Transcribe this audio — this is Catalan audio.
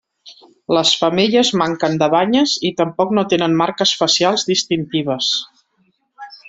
Les femelles manquen de banyes i tampoc no tenen marques facials distintives.